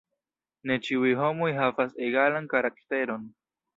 Ne ĉiuj homoj havas egalan karakteron!